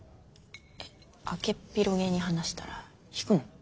開けっ広げに話したら引くの？